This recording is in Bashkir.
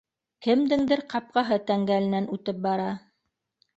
Кемдеңдер ҡапҡаһы тәңгәленән үтеп бара